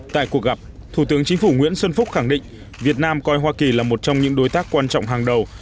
tại cuộc gặp thủ tướng chính phủ nguyễn xuân phúc khẳng định việt nam coi hoa kỳ là một trong những đối tác quan trọng hàng đầu